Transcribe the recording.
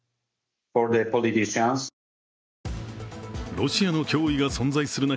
ロシアの脅威が存在する中